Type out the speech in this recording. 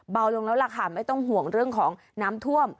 เบาลงแล้วล่ะค่ะไม่ต้องห่วงเรื่องของน้ำท่วม